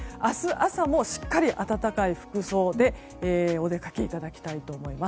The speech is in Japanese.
朝もしっかり暖かい服装でお出かけいただきたいと思います。